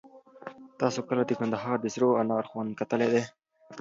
تاسو کله د کندهار د سرو انار خوند کتلی دی؟